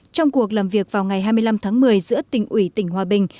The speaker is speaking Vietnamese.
trong cuộc làm việc vào ngày hai mươi năm tháng một mươi giữa tỉnh ủy tỉnh hòa bình